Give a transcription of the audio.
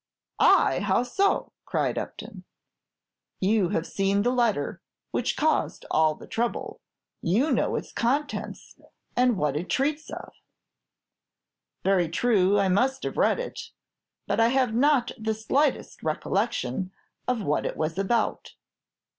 "I! How so?" cried Upton. "You have seen the letter which caused all the trouble; you know its contents, and what it treats of." "Very true; I must have read it; but I have not the slightest recollection of what it was about.